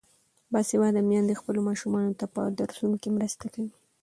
باسواده میندې خپلو ماشومانو ته په درسونو کې مرسته کوي.